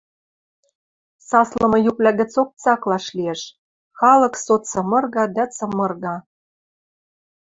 саслымы юквлӓ гӹцок цаклаш лиэш: халык со цымырга дӓ цымырга...